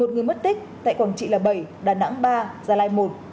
một mươi một người mất tích tại quảng trị là bảy đà nẵng ba gia lai một